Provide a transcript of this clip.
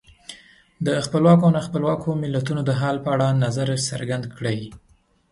د خپلواکو او نا خپلواکو ملتونو د حال په اړه نظر څرګند کړئ.